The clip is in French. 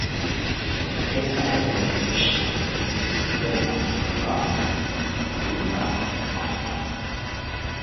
Dans le classement d'albums autrichiens, il atteint la et la en France.